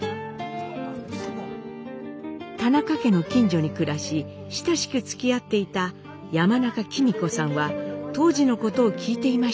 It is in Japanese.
田中家の近所に暮らし親しくつきあっていた山中公子さんは当時のことを聞いていました。